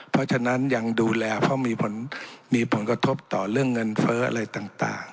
เพราะฉะนั้นยังดูแลเพราะมีผลกระทบต่อเรื่องเงินเฟ้ออะไรต่าง